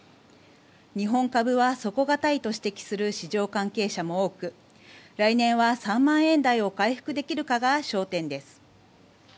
日本株は底堅いと指摘する市場関係者も多く来年は３万円台を回復できるかが焦点です。